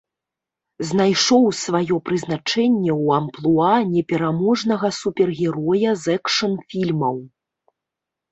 Знайшоў сваё прызначэнне ў амплуа непераможнага супергероя з экшн-фільмаў.